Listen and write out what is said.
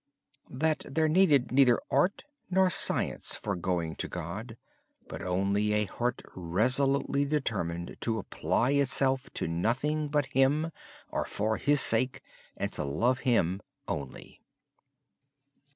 He said there needed neither art nor science for going to God, but only a heart resolutely determined to apply itself to nothing but Him and to love Him only.